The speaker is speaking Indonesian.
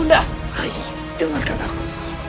bunda rai dengarkan aku